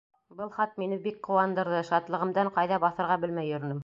Был хат мине бик ҡыуандырҙы, шатлығымдан ҡайҙа баҫырға белмәй йөрөнөм.